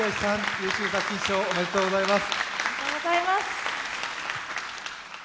優秀作品賞おめでとうございます。